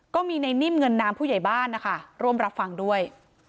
ก็มีในนิ่มเงินนามผู้ใหญ่บ้านนะคะร่วมรับฟังด้วย